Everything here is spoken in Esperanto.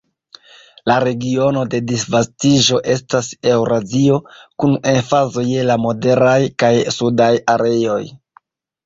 La regiono de disvastiĝo estas Eŭrazio, kun emfazo je la moderaj kaj sudaj areoj.